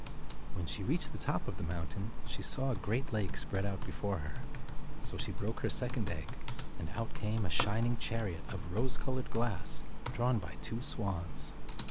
When she reached the top of the mountain, she saw a great lake spread out before her. So she broke her second egg, and out came a shin ing chariot of rose colored glass, drawn by two swans.